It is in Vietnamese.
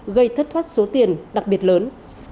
gây thất thoát số tiền đặc biệt lớn